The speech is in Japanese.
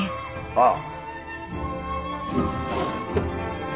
ああ。